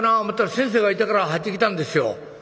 思うたら先生がいたから入ってきたんですよ」。